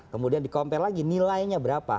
kemudian di compare lagi nilainya berapa